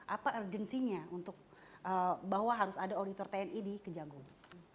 apa urgensinya untuk bahwa harus ada auditor tni di kejagung